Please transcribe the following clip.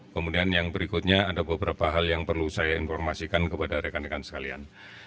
kemudian yang berikutnya ada beberapa hal yang perlu saya informasikan kepada rekan rekan sekalian